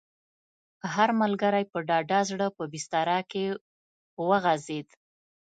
هر ملګری په ډاډه زړه په بستره کې وغځېد.